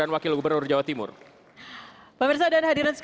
marilah kita berseru